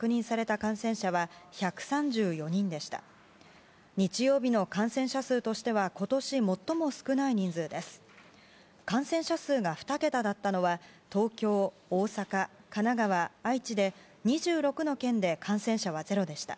感染者数が２桁だったのは東京、大阪、神奈川、愛知で２６の県で感染者はゼロでした。